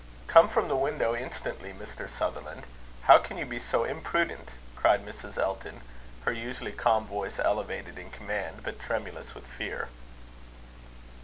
"Come from the window instantly, Mr. Sutherland. How can you be so imprudent!" cried Mrs. Elton, her usually calm voice elevated in command, but tremulous with fear.